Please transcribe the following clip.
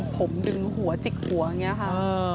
ผมดึงหัวจิกหัวอย่างนี้ค่ะ